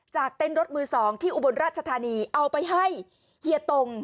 เต้นรถมือสองที่อุบลราชธานีเอาไปให้เฮียตง